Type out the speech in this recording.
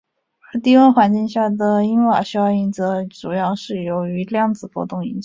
而低温环境下的因瓦效应则主要是由于量子波动引起的。